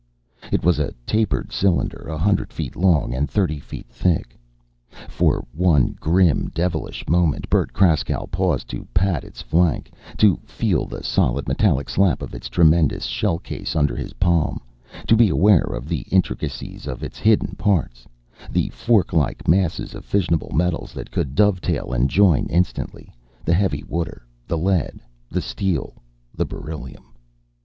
It was a tapered cylinder, a hundred feet long and thirty feet thick. For one grim, devilish moment Bert Kraskow paused to pat its flank, to feel the solid metallic slap of its tremendous shellcase under his palm, to be aware of the intricacies of its hidden parts: The forklike masses of fissionable metals that could dovetail and join instantly; the heavy water, the lead, the steel, the beryllium.